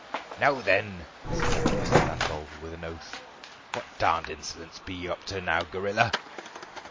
"Now, then!" exclaimed Mr. Lambole with an oath, "what darn'd insolence be you up to now, Gorilla?"